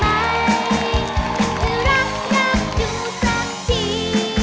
อยากจะรักอยากดูสักที